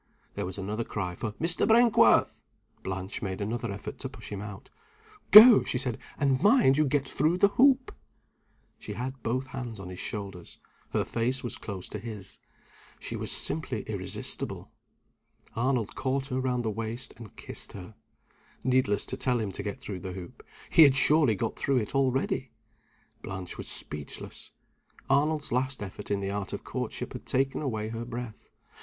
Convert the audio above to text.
There was another cry for "Mr. Brinkworth." Blanche made another effort to push him out. "Go!" she said. "And mind you get through the hoop!" She had both hands on his shoulders her face was close to his she was simply irresistible. Arnold caught her round the waist and kissed her. Needless to tell him to get through the hoop. He had surely got through it already! Blanche was speechless. Arnold's last effort in the art of courtship had taken away her breath.